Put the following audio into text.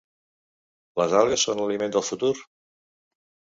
Les algues són l’aliment del futur?